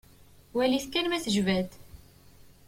Walit kan ma tejba-d.